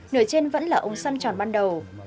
nửa trên vẫn là ống xăm tròn ban đầu